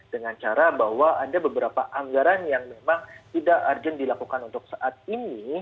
dengan cara bahwa ada beberapa anggaran yang memang tidak urgent dilakukan untuk saat ini